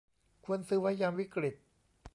ควรซื้อไว้ยามวิกฤต